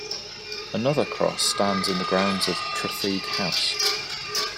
Another cross stands in the grounds of Tretheague House.